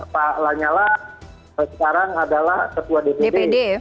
pak lanyala sekarang adalah ketua dpd